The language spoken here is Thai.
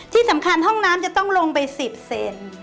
ที่สำคัญห้องน้ำจะต้องลงไป๑๐เซน